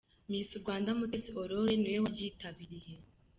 Miss Rwanda Mutesi Aurore niwe waryitabiriye.